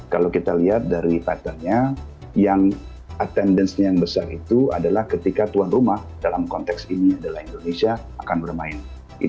kalau kita lihat dari patternnya yang attendance nya yang besar itu adalah ketika tuan rumah dalam konteks ini adalah indonesia akan bermain